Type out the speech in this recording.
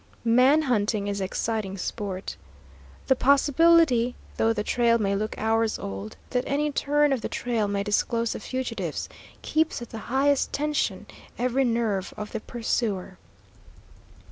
Man hunting is exciting sport. The possibility, though the trail may look hours old, that any turn of the trail may disclose the fugitives, keeps at the highest tension every nerve of the pursuer.